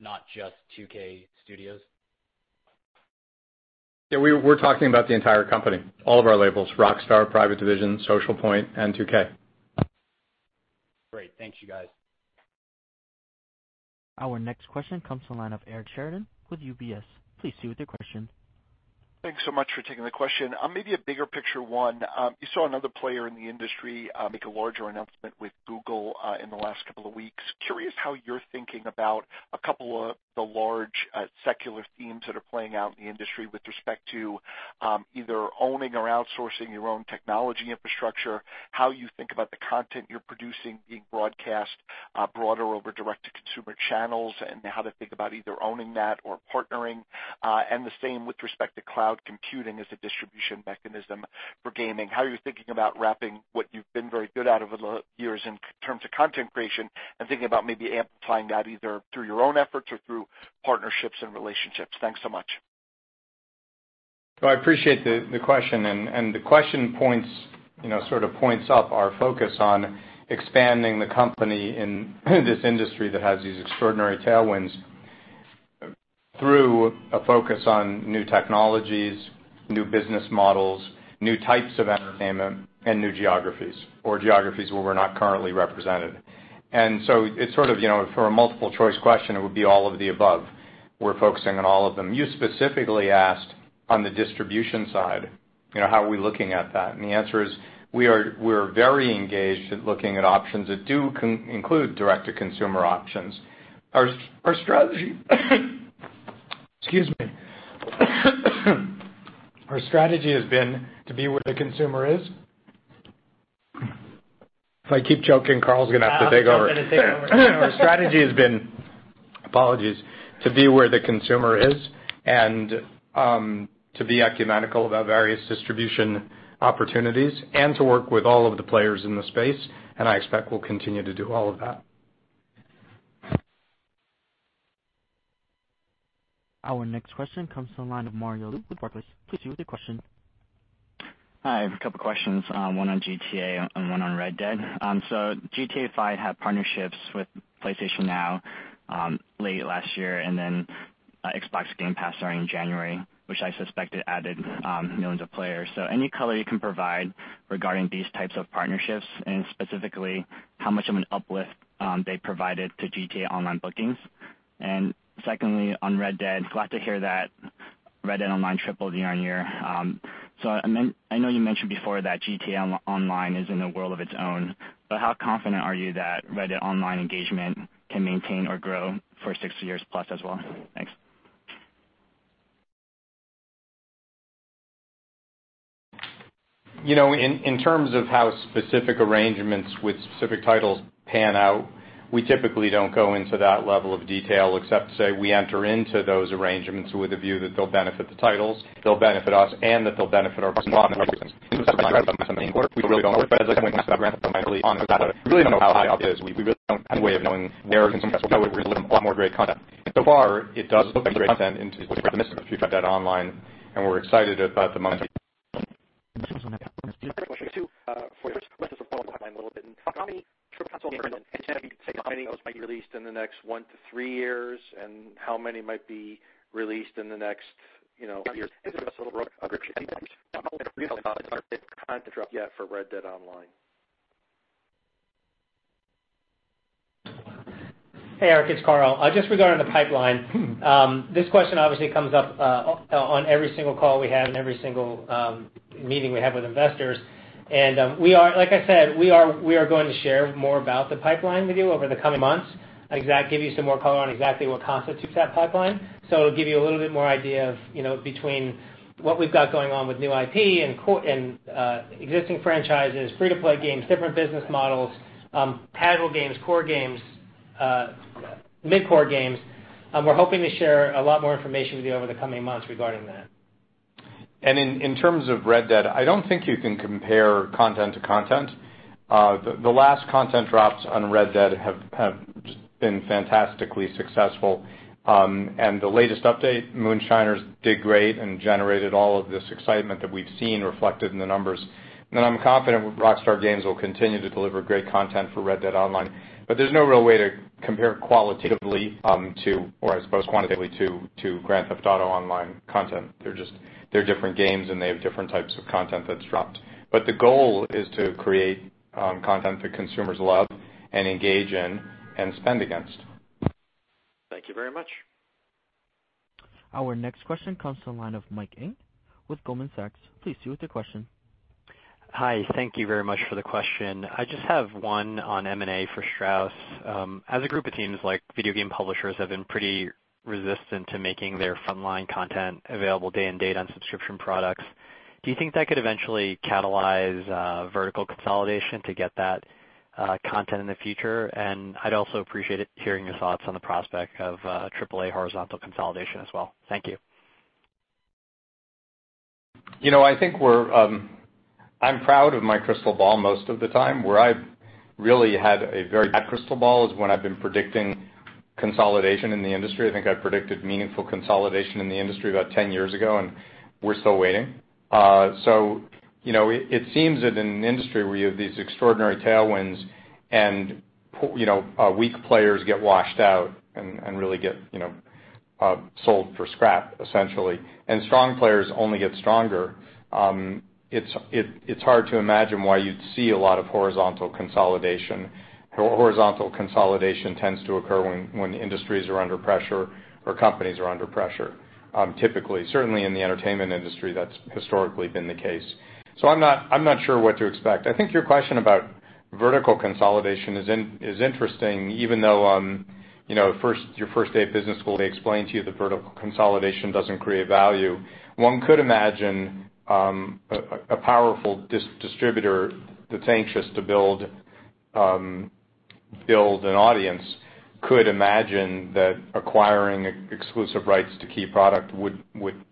not just 2K Studios? We're talking about the entire company, all of our labels, Rockstar, Private Division, Socialpoint, and 2K. Great. Thanks, you guys. Our next question comes to the line of Eric Sheridan with UBS. Please proceed with your question. Thanks so much for taking the question. Maybe a bigger picture one. You saw another player in the industry make a larger announcement with Google in the last couple of weeks. Curious how you're thinking about a couple of the large secular themes that are playing out in the industry with respect to either owning or outsourcing your own technology infrastructure, how you think about the content you're producing being broadcast broader over direct to consumer channels, and how to think about either owning that or partnering. The same with respect to cloud computing as a distribution mechanism for gaming. How are you thinking about wrapping what you've been very good at over the years in terms of content creation and thinking about maybe amplifying that either through your own efforts or through partnerships and relationships? Thanks so much. I appreciate the question, and the question sort of points up our focus on expanding the company in this industry that has these extraordinary tailwinds through a focus on new technologies, new business models, new types of entertainment, and new geographies, or geographies where we're not currently represented. If it were a multiple choice question, it would be all of the above. We're focusing on all of them. You specifically asked on the distribution side, how are we looking at that? The answer is, we're very engaged at looking at options that do include direct-to-consumer options. Our strategy has been to be where the consumer is. If I keep choking, Karl's going to have to take over. Karl's going to have to take over. Our strategy has been, apologies, to be where the consumer is and to be ecumenical about various distribution opportunities and to work with all of the players in the space, and I expect we'll continue to do all of that. Our next question comes to the line of Mario Lu with Barclays. Please proceed with your question. Hi, I have a couple questions, one on GTA and one on Red Dead. GTA V had partnerships with PlayStation Now late last year and then Xbox Game Pass starting in January, which I suspect it added millions of players. Any color you can provide regarding these types of partnerships and specifically how much of an uplift they provided to GTA Online bookings. Secondly, on Red Dead, glad to hear that Red Dead Online tripled year-over-year. I know you mentioned before that GTA Online is in a world of its own, but how confident are you that Red Dead Online engagement can maintain or grow for 60 years as well? Thanks. In terms of how specific arrangements with specific titles pan out, we typically don't go into that level of detail except to say we enter into those arrangements with a view that they'll benefit the titles, they'll benefit us, and that they'll benefit our customers. We really don't know how big the uplift is. We really don't have any way of knowing where consumer spend will be. We're going to deliver them a lot more great content. So far, it does look like great content into which we've got to miss Red Dead Online, and we're excited about the momentum. Two for you. First, let's just reform the pipeline a little bit. How many triple console games, and if you could say how many of those might be released in the next one to three years and how many might be released in the next few years? Content drop yet for Red Dead Online. Hey, Eric, it's Karl. Just regarding the pipeline. This question obviously comes up on every single call we have and every single meeting we have with investors. Like I said, we are going to share more about the pipeline with you over the coming months. Give you some more color on exactly what constitutes that pipeline. It'll give you a little bit more idea of between what we've got going on with new IP and existing franchises, free-to-play games, different business models, payable games, core games, mid-core games. We're hoping to share a lot more information with you over the coming months regarding that. In terms of Red Dead, I don't think you can compare content to content. The last content drops on Red Dead have been fantastically successful. The latest update, Moonshiners, did great and generated all of this excitement that we've seen reflected in the numbers. I'm confident Rockstar Games will continue to deliver great content for Red Dead Online. There's no real way to compare qualitatively to, or I suppose quantitatively to Grand Theft Auto Online content. They're different games and they have different types of content that's dropped. The goal is to create content that consumers love and engage in and spend against. Thank you very much. Our next question comes to the line of Mike Ng with Goldman Sachs. Please proceed with your question. Hi. Thank you very much for the question. I just have one on M&A for Strauss. As a group of teams like video game publishers have been pretty resistant to making their front line content available day and date on subscription products, do you think that could eventually catalyze vertical consolidation to get that content in the future? I'd also appreciate hearing your thoughts on the prospect of AAA horizontal consolidation as well. Thank you. I'm proud of my crystal ball most of the time. Where I've really had a very bad crystal ball is when I've been predicting consolidation in the industry. I think I predicted meaningful consolidation in the industry about 10 years ago, we're still waiting. It seems that in an industry where you have these extraordinary tailwinds and weak players get washed out and really get sold for scrap, essentially. Strong players only get stronger. It's hard to imagine why you'd see a lot of horizontal consolidation. Horizontal consolidation tends to occur when the industries are under pressure or companies are under pressure, typically. Certainly in the entertainment industry, that's historically been the case. I'm not sure what to expect. I think your question about vertical consolidation is interesting, even though your first day of business school, they explain to you that vertical consolidation doesn't create value. One could imagine a powerful distributor that's anxious to build an audience could imagine that acquiring exclusive rights to key product would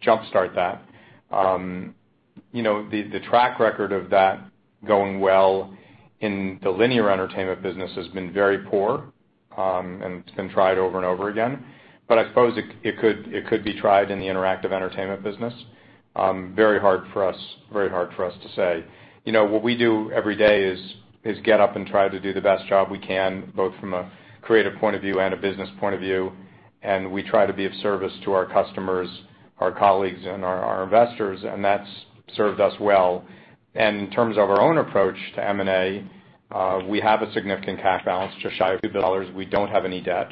jumpstart that. The track record of that going well in the linear entertainment business has been very poor, and it's been tried over and over again. I suppose it could be tried in the interactive entertainment business. Very hard for us to say. What we do every day is get up and try to do the best job we can, both from a creative point of view and a business point of view. We try to be of service to our customers, our colleagues, and our investors, and that's served us well. In terms of our own approach to M&A, we have a significant cash balance just shy of a few dollars. We don't have any debt.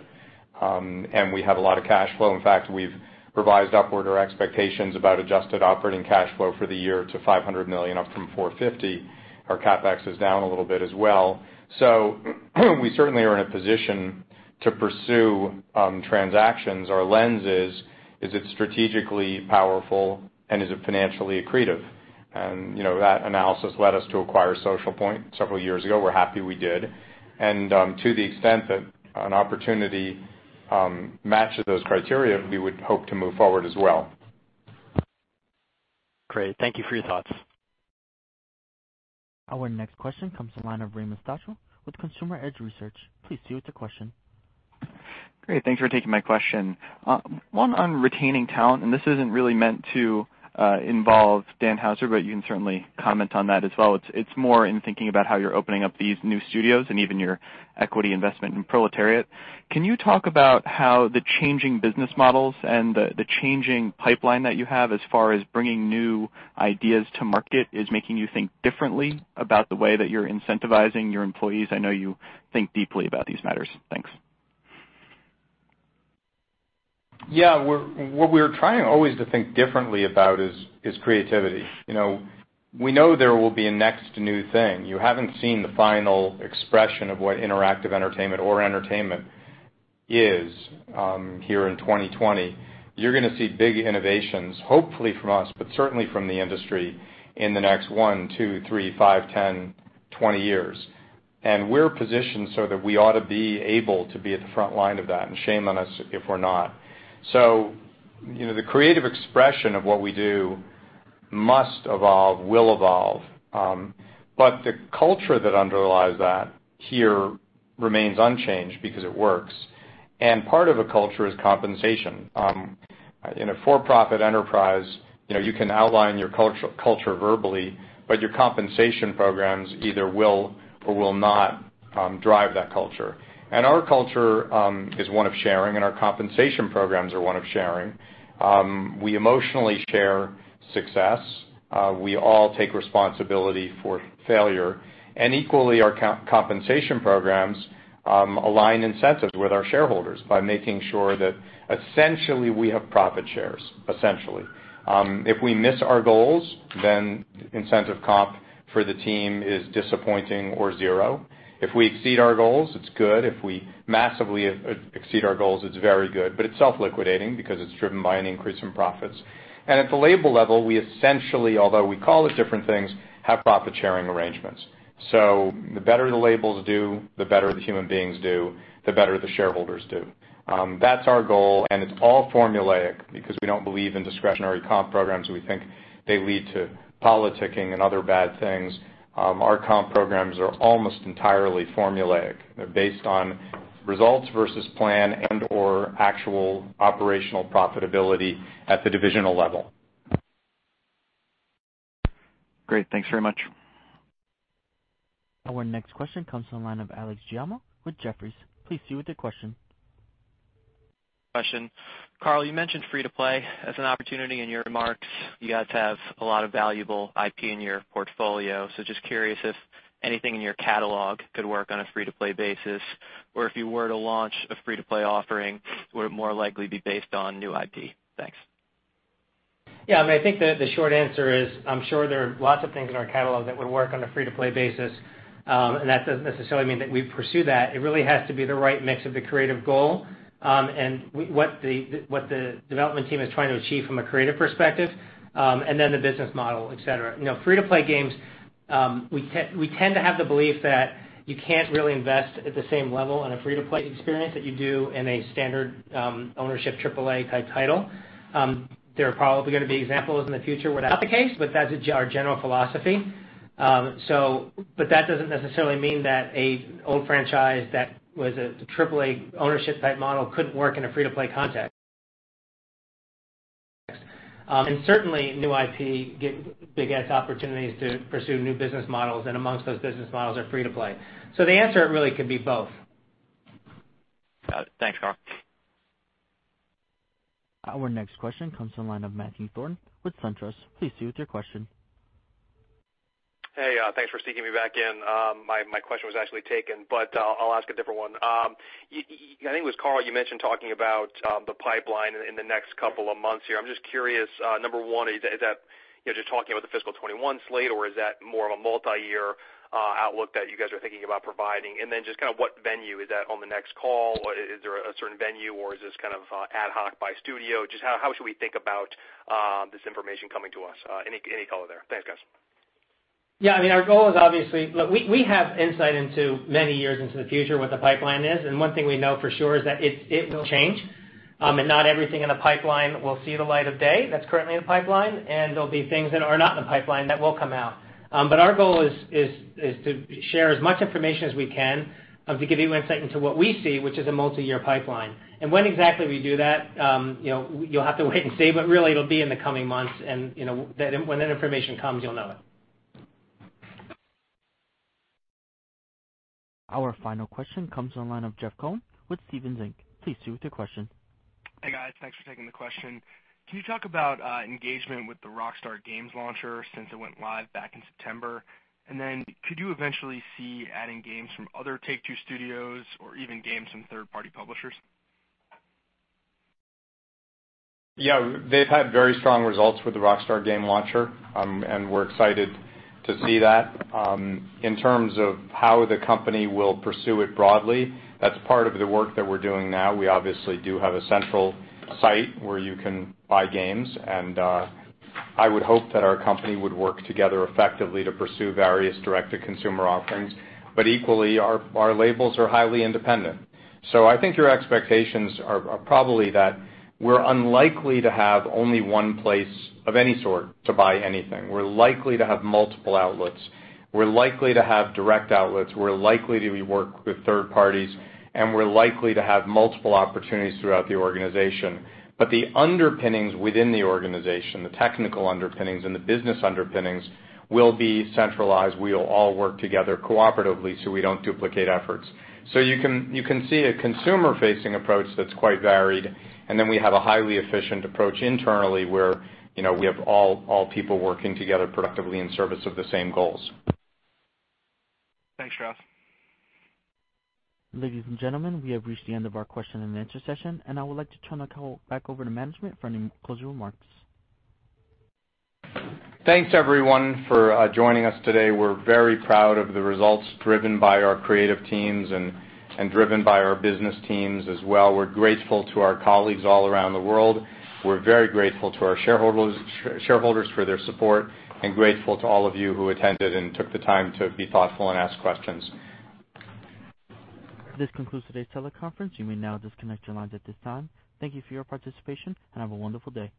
We have a lot of cash flow. In fact, we've revised upward our expectations about adjusted operating cash flow for the year to $500 million, up from $450 million. Our CapEx is down a little bit as well. We certainly are in a position to pursue transactions. Our lens is it strategically powerful and is it financially accretive? That analysis led us to acquire Socialpoint several years ago. We're happy we did. To the extent that an opportunity matches those criteria, we would hope to move forward as well. Great. Thank you for your thoughts. Our next question comes to the line of Raymond Stochel with Consumer Edge Research. Please proceed with your question. Great. Thanks for taking my question. One on retaining talent, and this isn't really meant to involve Dan Houser, but you can certainly comment on that as well. It's more in thinking about how you're opening up these new studios and even your equity investment in Proletariat. Can you talk about how the changing business models and the changing pipeline that you have as far as bringing new ideas to market is making you think differently about the way that you're incentivizing your employees? I know you think deeply about these matters. Thanks. Yeah. What we're trying always to think differently about is creativity. We know there will be a next new thing. You haven't seen the final expression of what interactive entertainment or entertainment is here in 2020. You're going to see big innovations, hopefully from us, but certainly from the industry in the next one, two, three, five, 10, 20 years. We're positioned so that we ought to be able to be at the frontline of that, and shame on us if we're not. The creative expression of what we do must evolve, will evolve. The culture that underlies that here remains unchanged because it works. Part of a culture is compensation. In a for-profit enterprise, you can outline your culture verbally, but your compensation programs either will or will not drive that culture. Our culture is one of sharing, and our compensation programs are one of sharing. We emotionally share success. We all take responsibility for failure. Equally, our compensation programs align incentives with our shareholders by making sure that essentially we have profit shares, essentially. If we miss our goals, then incentive comp for the team is disappointing or zero. If we exceed our goals, it's good. If we massively exceed our goals, it's very good. It's self-liquidating because it's driven by an increase in profits. At the label level, we essentially, although we call it different things, have profit-sharing arrangements. The better the labels do, the better the human beings do, the better the shareholders do. That's our goal, and it's all formulaic because we don't believe in discretionary comp programs. We think they lead to politicking and other bad things. Our comp programs are almost entirely formulaic. They're based on results versus plan and/or actual operational profitability at the divisional level. Great. Thanks very much. Our next question comes from the line of Alex Giaimo with Jefferies. Please proceed with your question. Question. Karl, you mentioned free-to-play as an o pportunity in your remarks. You guys have a lot of valuable IP in your portfolio, so just curious if anything in your catalog could work on a free-to-play basis, or if you were to launch a free-to-play offering, would it more likely be based on new IP? Thanks. Yeah. I think the short answer is, I'm sure there are lots of things in our catalog that would work on a free-to-play basis. That doesn't necessarily mean that we pursue that. It really has to be the right mix of the creative goal, and what the development team is trying to achieve from a creative perspective, and then the business model, et cetera. Free-to-play games, we tend to have the belief that you can't really invest at the same level in a free-to-play experience that you do in a standard ownership AAA-type title. There are probably going to be examples in the future where that's not the case, but that's our general philosophy. That doesn't necessarily mean that an old franchise that was a AAA ownership-type model couldn't work in a free-to-play context. Certainly, new IP gives Big S opportunities to pursue new business models, and amongst those business models are free to play. The answer really could be both. Got it. Thanks, Karl. Our next question comes from the line of Matthew Thornton with SunTrust. Please proceed with your question. Hey, thanks for sneaking me back in. My question was actually taken, but I'll ask a different one. I think it was Karl, you mentioned talking about the pipeline in the next couple of months here. I'm just curious, number one, is that just talking about the fiscal 2021 slate, or is that more of a multi-year outlook that you guys are thinking about providing? Just kind of what venue is that on the next call? Is there a certain venue, or is this kind of ad hoc by studio? Just how should we think about this information coming to us? Any color there. Thanks, guys. Yeah. We have insight into many years into the future what the pipeline is, one thing we know for sure is that it will change. Not everything in the pipeline will see the light of day that's currently in the pipeline, and there'll be things that are not in the pipeline that will come out. Our goal is to share as much information as we can to give you insight into what we see, which is a multi-year pipeline. When exactly we do that you'll have to wait and see, but really, it'll be in the coming months, and when that information comes, you'll know it. Our final question comes from the line of Jeff Cohen with Stephens Inc. Please proceed with your question. Hey, guys. Thanks for taking the question. Can you talk about engagement with the Rockstar Games Launcher since it went live back in September? Could you eventually see adding games from other Take-Two studios or even games from third-party publishers? Yeah. They've had very strong results with the Rockstar Games Launcher, and we're excited to see that. In terms of how the company will pursue it broadly, that's part of the work that we're doing now. We obviously do have a central site where you can buy games, and I would hope that our company would work together effectively to pursue various direct-to-consumer offerings. Equally, our labels are highly independent. I think your expectations are probably that we're unlikely to have only one place of any sort to buy anything. We're likely to have multiple outlets. We're likely to have direct outlets. We're likely to be working with third parties, and we're likely to have multiple opportunities throughout the organization. The underpinnings within the organization, the technical underpinnings and the business underpinnings, will be centralized. We'll all work together cooperatively so we don't duplicate efforts. You can see a consumer-facing approach that's quite varied, and then we have a highly efficient approach internally where we have all people working together productively in service of the same goals. Thanks, Strauss. Ladies and gentlemen, we have reached the end of our question-and-answer session, and I would like to turn the call back over to management for any closing remarks. Thanks, everyone, for joining us today. We're very proud of the results driven by our creative teams and driven by our business teams as well. We're grateful to our colleagues all around the world. We're very grateful to our shareholders for their support and grateful to all of you who attended and took the time to be thoughtful and ask questions. This concludes today's teleconference. You may now disconnect your lines at this time. Thank you for your participation, and have a wonderful day.